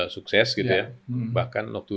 sukses gitu ya bahkan waktu